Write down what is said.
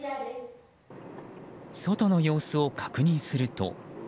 外の様子を確認すると。